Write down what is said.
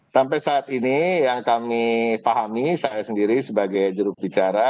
sampai saat ini yang kami pahami saya sendiri sebagai jurubicara